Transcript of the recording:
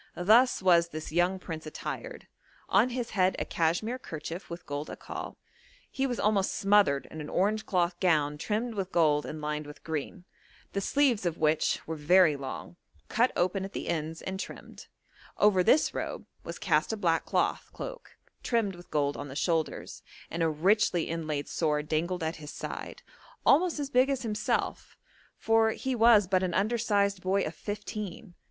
Thus was this young prince attired: on his head a cashmere kerchief with gold akkal; he was almost smothered in an orange cloth gown trimmed with gold and lined with green, the sleeves of which were very long, cut open at the ends and trimmed; over this robe was cast a black cloth cloak trimmed with gold on the shoulders, and a richly inlaid sword dangled at his side, almost as big as himself, for he was but an undersized boy of fifteen.